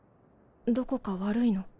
どこか悪いの？